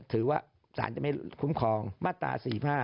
ถือว่าสารจะไม่คุ้มครองมาตรา๔๕